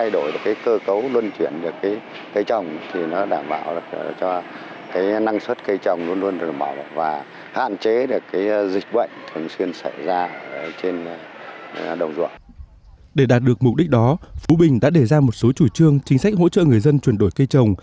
để đạt được mục đích đó phú bình đã đề ra một số chủ trương chính sách hỗ trợ người dân chuyển đổi cây trồng